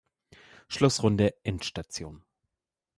Schlussrunde Endstation.